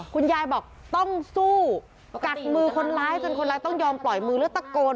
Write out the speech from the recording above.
คุณยายบอกต้องสู้กัดมือคนร้ายจนคนร้ายต้องยอมปล่อยมือแล้วตะโกน